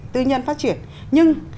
tư nhân phát triển nhưng